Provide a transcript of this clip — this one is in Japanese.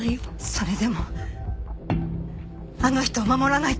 それでもあの人を守らないと。